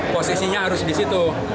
posisinya harus disitu